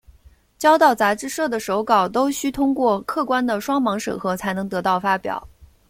交到杂志社的手稿都须通过客观的双盲审核才能得到发表。